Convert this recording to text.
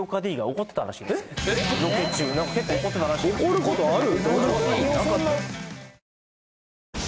怒ることある？